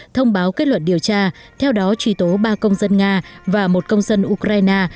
thông báo kết luận điều tra theo đó truy tố ba công dân nga và một công dân ukraine